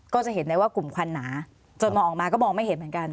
ก็จะเห็นได้ว่ากลุ่มควันหนาจนมองออกมาก็มองไม่เห็นเหมือนกัน